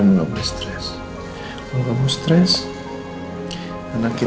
masih gak ada balesan dari nino